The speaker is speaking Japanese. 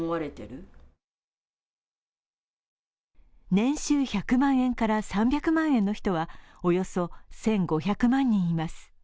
年収１００万円から３００万円の人はおよそ１５００万人います。